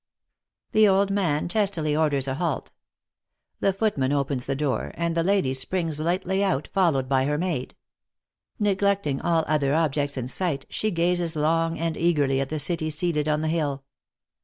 The old man testily orders a halt. The footman opens the door, and the lady springs lightly out, fol lowed by her maid. Neglecting all other objects in sight, she gazes long and eagerly at the city seated on the hill.